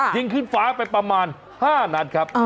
ยิงขึ้นฟ้าไปประมาณ๕นัดครับ